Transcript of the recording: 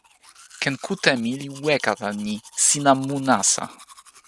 ken kute mi li weka tan ni: sina mu nasa.